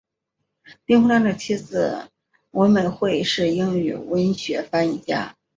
林洪亮的妻子文美惠是英语文学翻译家。